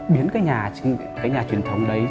biến cái nhà truyền thống đấy